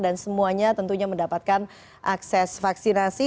dan semuanya tentunya mendapatkan akses vaksinasi